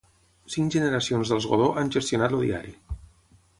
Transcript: Cinc generacions dels Godó han gestionat el diari.